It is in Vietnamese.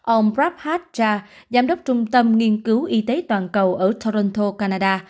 ông prabhat jha giám đốc trung tâm nghiên cứu y tế toàn cầu ở toronto canada